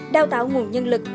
đào tạo nguồn nhân lực